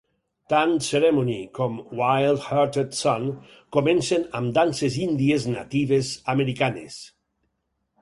Tant "Ceremony" com "Wild Hearted Son" comencen amb danses índies natives americanes.